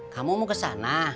kamu mau kesana